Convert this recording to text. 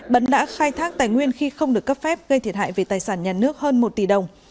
bấn đã khai thác tài nguyên khi không được cấp phép gây thiệt hại về tài sản nhà nước hơn một tỷ đồng